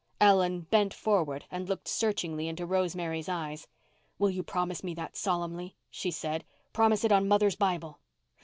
Ellen bent forward and looked searchingly into Rosemary's eyes. "Will you promise me that solemnly?" she said. "Promise it on mother's Bible."